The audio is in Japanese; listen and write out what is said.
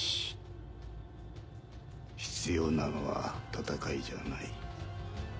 必要なのは戦いじゃない。